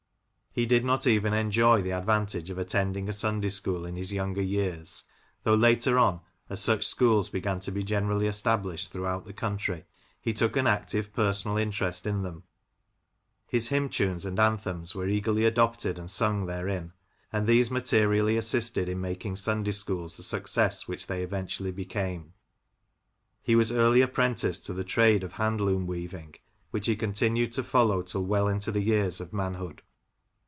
He did not even enjoy the advantage of attending a Sunday school in his younger years, though later on, as such schools began to be generally established throughout the country, he took an active personal interest in them; his hymn tunes and anthems were eagerly adopted and sung therein, and these materially assisted in making Sunday schools the success which they eventually became. He was early apprenticed to the trade of hand loom weaving, which he continued to follow till well James Leach^ the Lancashire Composer, 59 into the years of manhood.